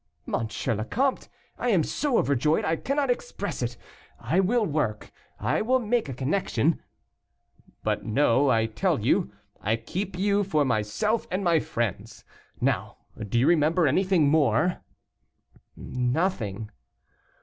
"M. le Comte, I am so overjoyed, I cannot express it. I will work I will make a connection " "But, no, I tell you, I keep you for myself and my friends. Now, do you remember anything more?" "Nothing."